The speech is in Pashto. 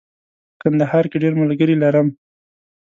په کندهار کې ډېر ملګري لرم.